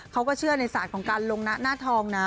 เขาก็เชื่อในศาสตร์ของการลงหน้าทองนะ